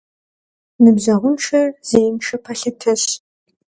Ныбжьэгъуншэр зеиншэ пэлъытэщ.